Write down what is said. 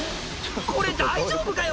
これ大丈夫かよ？